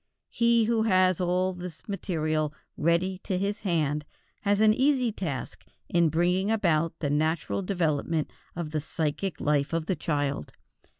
He who has all this material ready to his hand has an easy task in bringing about the natural development of the psychic life of the child.